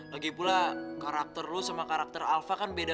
lagipula karakter lu sama karakter alva kan beda